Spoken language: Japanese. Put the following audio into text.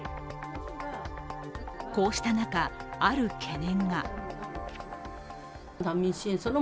こうした中、ある懸念が。